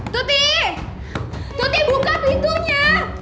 tuti tuti buka pintunya